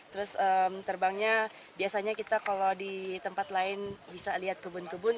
terus terbangnya biasanya kita kalau di tempat lain bisa lihat kebun kebun